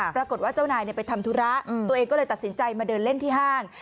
เจ้านายไปทำธุระตัวเองก็เลยตัดสินใจมาเดินเล่นที่ห้าง